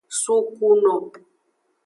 Sukuno.